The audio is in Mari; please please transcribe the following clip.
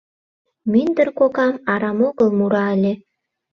мӱндыр кокам арам огыл мура ыле.